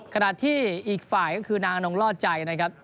ขณะที่อีกฝ่ายก็คือนางอนงล่อใจนะครับ